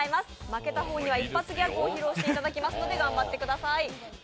負けた方には一発ギャグを披露していただきますので、頑張ってください。